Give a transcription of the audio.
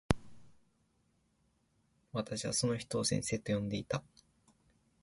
私はその人を先生と呼んでいた。